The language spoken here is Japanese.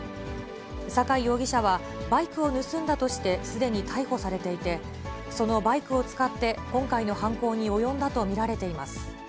酒井容疑者は、バイクを盗んだとしてすでに逮捕されていて、そのバイクを使って、今回の犯行に及んだと見られています。